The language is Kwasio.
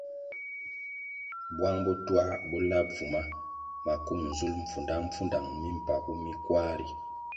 Bwang bo twā bo la bvuma maku nzulʼ mpfudangpfudang mimpagu mi kwar ri.